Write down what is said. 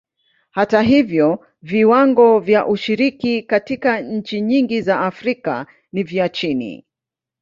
Hata hivyo, viwango vya ushiriki katika nchi nyingi za Afrika ni vya chini.